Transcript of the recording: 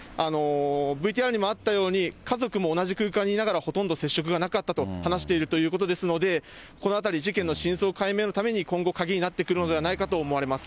ＶＴＲにもあったように、家族も同じ空間にいながら、ほとんど接触がなかったと話しているということですので、このあたり、事件の真相解明のために今後、鍵になってくるのではないかと思われます。